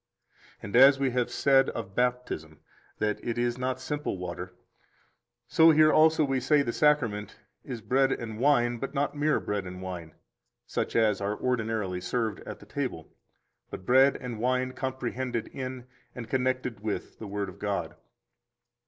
9 And as we have said of Baptism that it is not simple water, so here also we say the Sacrament is bread and wine, but not mere bread and wine, such as are ordinarily served at the table, but bread and wine comprehended in, and connected with, the Word of God.